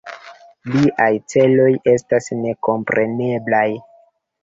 Liaj celoj estas nekompreneblaj.